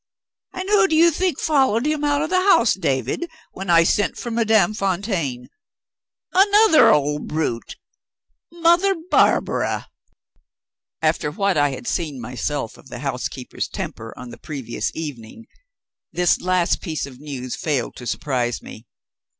And who do you think followed him out of the house, David, when I sent for Madame Fontaine? Another old brute Mother Barbara!" After what I had seen myself of the housekeeper's temper on the previous evening, this last piece of news failed to surprise me.